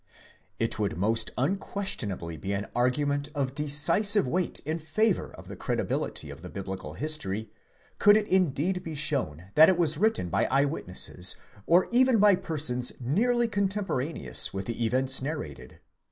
It would most unquestionably be an argument of decisive weight in favour of the credibility of the biblical history, could it indeed be shown that it was written by eye witnesses, or even by persons nearly contemporaneous with the events narrated.